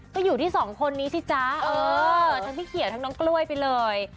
ก็อยู่ที่สองคนนี้สิจ๊ะเออทั้งพี่เขียวทั้งน้องกล้วยไปเลย